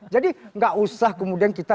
jadi enggak usah kemudian kita